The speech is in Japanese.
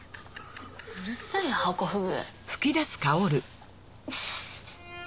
うるさいハコフグ！